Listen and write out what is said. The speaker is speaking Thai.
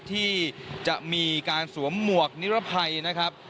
ที่จะมีการสวมหมวกนิรภัยนะครับ